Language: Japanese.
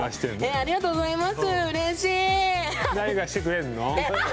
ありがとうございますうれしい！